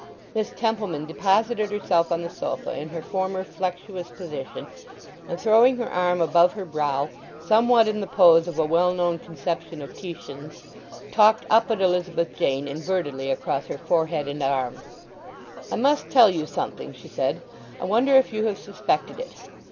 Miss Templeman deposited herself on the sofa in her former flexuous position, and throwing her arm above her brow—somewhat in the pose of a well known conception of Titian's—talked up at Elizabeth Jane invertedly across her forehead and arm. "I must tell you something," she said. "I wonder if you have suspected it.